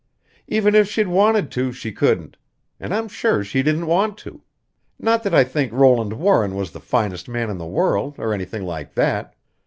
"Even if she'd wanted to, she couldn't; and I'm sure she didn't want to. Not that I think Roland Warren was the finest man in the world, or anything like that.